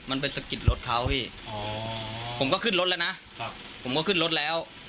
มันไปสะกิดรถเขาพี่อ๋อผมก็ขึ้นรถแล้วนะผมก็ขึ้นรถแล้ว